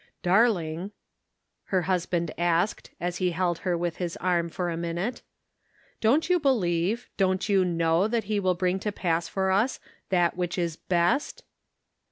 " Darling," her husband asked, as he held her with his arm for a minute, " Don't you believe, don't you know that he will bring to pass for us that which is best